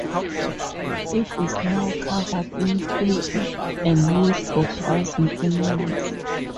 It is now covered in heather and used for grazing animals.